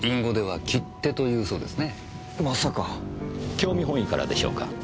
興味本位からでしょうか。